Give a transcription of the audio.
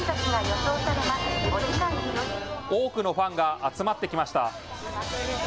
多くのファンが集まってきました。